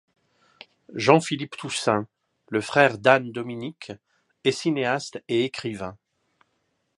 Jean-Philippe Toussaint, le frère d'Anne-Dominique, est cinéaste et écrivain.